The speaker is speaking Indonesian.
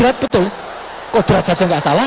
kodrat betul kodrat saja tidak salah